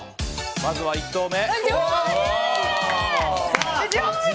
まずは１投目。